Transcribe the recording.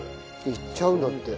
いっちゃうんだって。